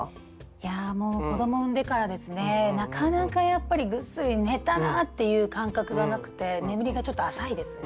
いやもう子ども産んでからですねなかなかやっぱりぐっすり寝たなぁっていう感覚がなくて眠りがちょっと浅いですね。